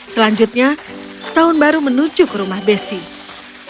selanjutnya tahun baru menuju ke rumah besi